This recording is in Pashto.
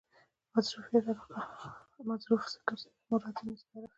مظروفیت علاقه؛ مظروف ذکر سي او مراد ځني ظرف يي.